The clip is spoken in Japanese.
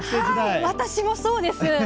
私もそうです。